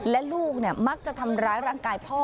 และลูกมักจะทำร้ายร่างกายพ่อ